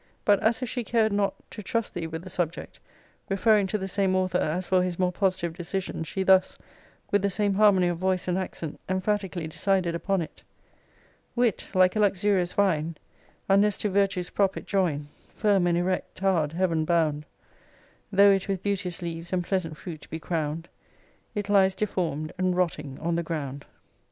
But as if she cared not to trust thee with the subject, referring to the same author as for his more positive decision, she thus, with the same harmony of voice and accent, emphatically decided upon it. Wit, like a luxurious vine, Unless to virtue's prop it join, Firm and erect, tow'rd heaven bound, Tho' it with beauteous leaves and pleasant fruit be crown'd, It lies deform'd, and rotting on the ground.